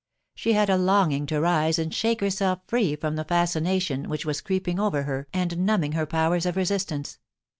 She had a longing to rise and shake herself free from the fascination which was creeping over her and numbing her powers of resistance.